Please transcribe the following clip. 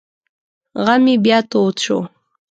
غم یې بیا تود شو.